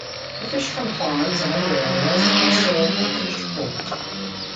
The fish from ponds and other areas are sold at the Fish Port.